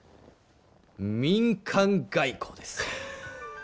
民間外交です。